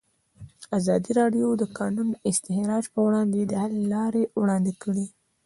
ازادي راډیو د د کانونو استخراج پر وړاندې د حل لارې وړاندې کړي.